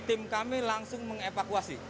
tim kami langsung mengevakuasi